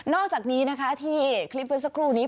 อกจากนี้นะคะที่คลิปเมื่อสักครู่นี้